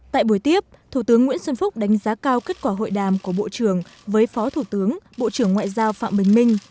tại buổi tiếp thủ tướng nguyễn xuân phúc đánh giá cao kết quả hội đàm của bộ trưởng với phó thủ tướng bộ trưởng ngoại giao phạm bình minh